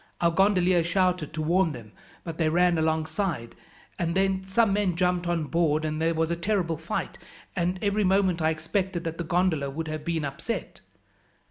Our gondolier shouted to warn them, but they ran alongside, and then some men jumped on board, and there was a terrible fight, and every moment I expected that the gondola would have been upset.